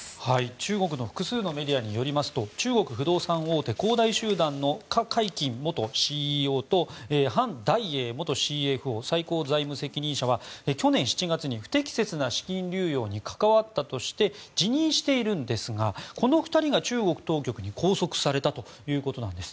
中国の複数のメディアによりますと中国不動産大手恒大集団のカ・カイキン元ＣＥＯとハン・ダイエイ元ＣＦＯ最高財務責任者は去年７月に不適切な資金流用に関わったとして辞任しているんですがこの２人が中国当局に拘束されたということです。